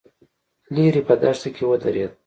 ليرې په دښته کې ودرېد.